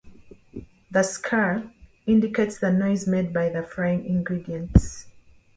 The "skirl" indicates the noise made by the frying ingredients.